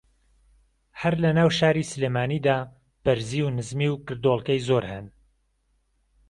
ھەر لە ناو شاری سلێمانی دا بەرزی و نزمی و گردۆڵکەی زۆر ھەن